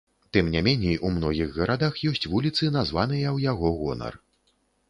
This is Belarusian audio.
Тым не меней у многіх гарадах ёсць вуліцы, названыя ў яго гонар.